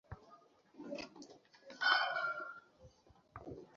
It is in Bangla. তার পরও আমার কাছে যেমনটি মনে হয়েছে, তিনি ছিলেন একজন বিনয়ী মানুষ।